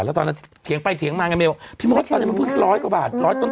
แล้วตอนนั้นเถียงไปเถียงมาไงเมลพี่มดตอนนี้มันเพิ่งร้อยกว่าบาทร้อยต้น